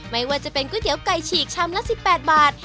ไม่ว่าจะเป็นก๋วยเตี๋ยวไก่ฉีกชามละ๑๘บาท